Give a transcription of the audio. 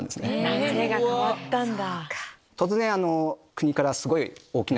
流れが変わったんだ。